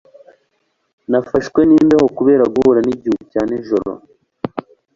Nafashwe n'imbeho kubera guhura nigihu cya nijoro